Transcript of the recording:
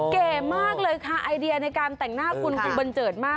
เก๋มากเลยค่ะไอเดียในการแต่งหน้าคุณคุณบันเจิดมาก